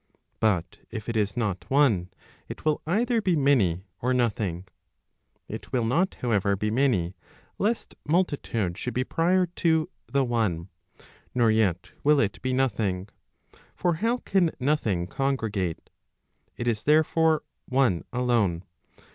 But if it is not one, it will either be many or nothing. It will not however be many, lest multi \ Digitized by boogie 304 ELEMENTS PROP. VI. VII. tude should be prior to the one, nor jet will it be nothing. For how can nothing congregate ? It is, therefore, one alone.